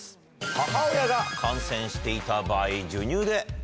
母親が感染していた場合。